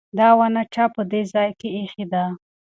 دا ونه چا په دې ځای کې ایښې ده؟